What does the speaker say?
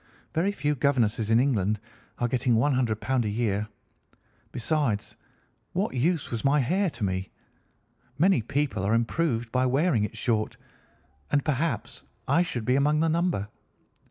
Very few governesses in England are getting £ 100 a year. Besides, what use was my hair to me? Many people are improved by wearing it short and perhaps I should be among the number.